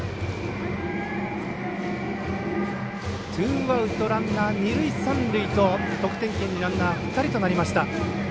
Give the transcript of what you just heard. ツーアウトランナー、二塁三塁と得点圏にランナー２人となりました。